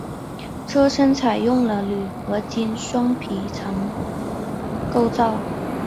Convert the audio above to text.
车身采用了铝合金双皮层构造。